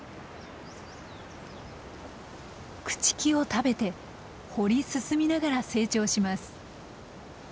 朽ち木を食べて掘り進みながら成長します。